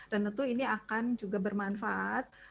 dan tentu ini akan juga bermanfaat